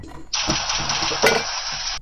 د پلرونو د نیکونو له داستانه یمه ستړی.